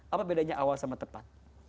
apa bedanya awal sama tepat